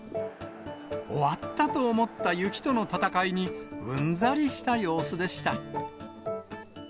終わったと思った雪との戦いにうんざりした様子でした。